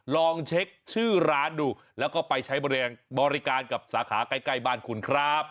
ลองเช็คชื่อร้านดูแล้วก็ไปใช้บริการกับสาขาใกล้บ้านคุณครับ